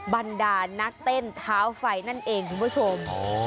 บรรดานักเต้นเท้าไฟนั่นเองคุณผู้ชม